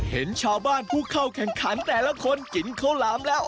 เห็นชาวบ้านผู้เข้าแข่งขันแต่ละคนกินข้าวหลามแล้ว